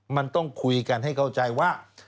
มันต้องคุยกันให้เข้าใจว่า